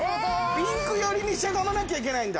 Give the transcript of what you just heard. ピンク寄りにしゃがまなきゃいけないんだ。